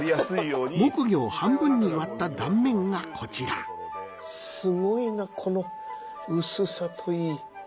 木魚を半分に割った断面がこちらすごいなこの薄さといい。